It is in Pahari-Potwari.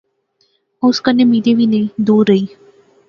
او اس کنے ملی وی نئیں، دور رہی